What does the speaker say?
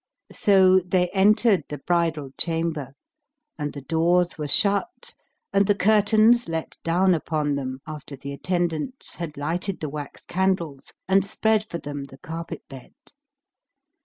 So they entered the bridal chamber and the doors were shut and the curtains let down upon them, after the attendants had lighted the wax candles and spread for them the carpet bed.